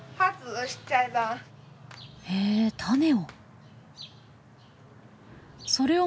へえ種を。